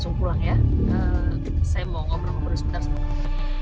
apa yang mau diobrolin berusaha ke saya ya